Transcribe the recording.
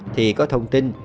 thì có thông tin